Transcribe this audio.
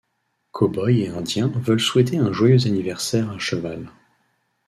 Cowboy et Indien veulent souhaiter un joyeux anniversaire à Cheval.